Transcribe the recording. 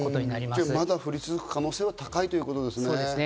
まだ降り続く可能性が高いということですね。